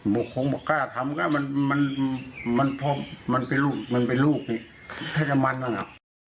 บุคคลงกล้าทำกล้ามันเป็นลูกนี่ถ้าจะมันก็ง่า